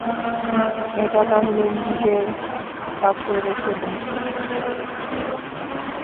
এটা তাহলে নিজের কাছেই রেখে দিই।